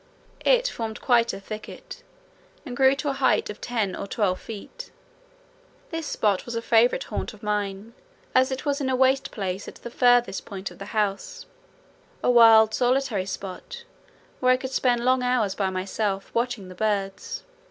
It formed quite a thicket, and grew to a height of ten or twelve feet. This spot was a favourite haunt of mine, as it was in a waste place at the furthest point from the house, a wild solitary spot where I could spend long hours by myself watching the birds.